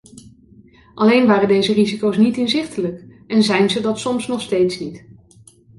Alleen waren deze risico's niet inzichtelijk en zijn ze dat soms nog steeds niet.